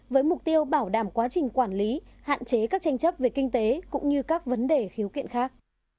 với mục tiêu bảo đảm quá trình quản lý hạn chế các tranh chấp về kinh tế cũng như các vấn đề khiếu kiện khác